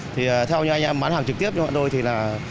theo như anh em bán hàng trực tiếp cho mọi người thì là